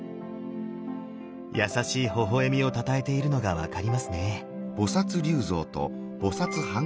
優しいほほ笑みをたたえているのが分かりますね。